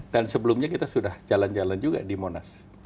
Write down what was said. dan sebelumnya kita sudah jalan jalan juga di monas